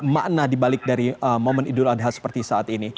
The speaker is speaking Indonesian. makna dibalik dari momen idul adha seperti saat ini